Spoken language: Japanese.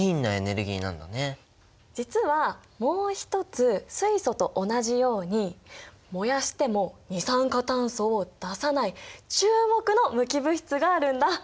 実はもう一つ水素と同じように燃やしても二酸化炭素を出さない注目の無機物質があるんだ。